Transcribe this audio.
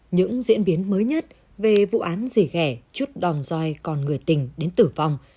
những diễn biến mới nhất về vụ án rỉ ghẻ chút đòn roi còn người tình đến tử vong